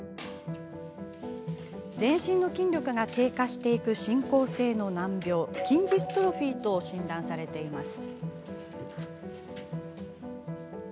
全身の筋力が低下していく進行性の難病筋ジストロフィーと診断されています。